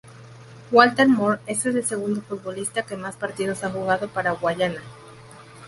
Walter Moore es el segundo futbolista que más partidos ha jugado para Guyana.